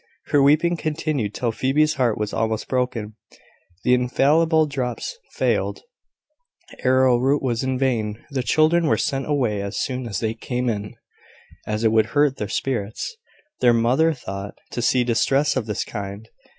Her weeping continued till Phoebe's heart was almost broken. The infallible drops failed; arrowroot was in vain; the children were sent away as soon as they came in, as it would hurt their spirits, their mother thought, to see distress of this kind.